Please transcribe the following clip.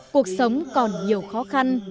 cuộc sống còn nhiều khó khăn